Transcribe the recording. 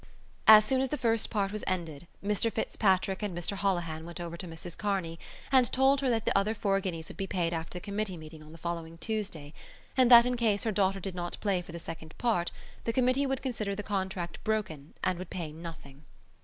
As soon as the first part was ended Mr Fitzpatrick and Mr Holohan went over to Mrs Kearney and told her that the other four guineas would be paid after the Committee meeting on the following Tuesday and that, in case her daughter did not play for the second part, the Committee would consider the contract broken and would pay nothing.